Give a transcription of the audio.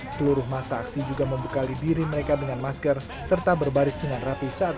seluruh masa aksi juga membekali diri mereka dengan masker serta berbaris dengan rapi saat